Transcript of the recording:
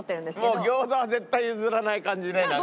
もう餃子は絶対譲らない感じねなんか。